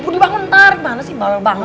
buat dibangun ntar gimana sih bawel banget